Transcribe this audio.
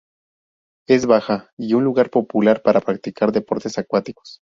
Es baja y un lugar popular para practicar deportes acuáticos.